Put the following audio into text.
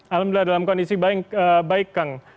alhamdulillah dalam kondisi baik kang